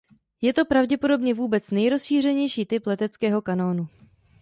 Je to pravděpodobně vůbec nejrozšířenější typ leteckého kanónu.